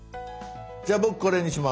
じゃあ僕これにします。